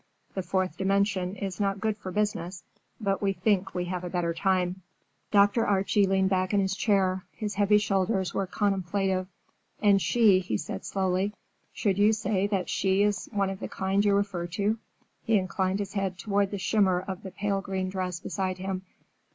The fourth dimension is not good for business, but we think we have a better time." Dr. Archie leaned back in his chair. His heavy shoulders were contemplative. "And she," he said slowly; "should you say that she is one of the kind you refer to?" He inclined his head toward the shimmer of the pale green dress beside him.